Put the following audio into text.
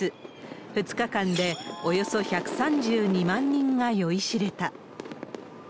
２日間でおよそ１３２万人が酔いしれた。